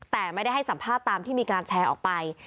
แต่ไม่ได้ให้สัมภาษณ์ตามที่มีการแชร์ออกไป